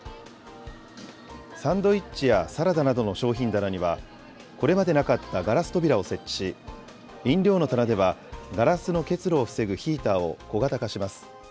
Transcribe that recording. サンドイッチやサラダなどの商品棚には、これまでなかったガラス扉を設置し、飲料の棚ではガラスの結露を防ぐヒーターを小型化します。